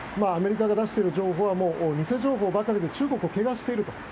アメリカが出している情報は偽情報ばかりで中国を汚していると。